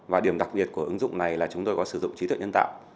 và điểm đặc biệt của ứng dụng này là chúng tôi có sử dụng trí tuệ nhân tạo